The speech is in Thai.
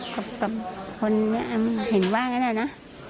กับคนเห็นว่าก็ได้นะ